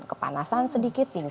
kepanasan sedikit pingsan